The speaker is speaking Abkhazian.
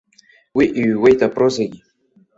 Уи иҩуеит апрозагьы.